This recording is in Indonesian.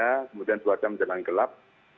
kemudian suara menjelang gelap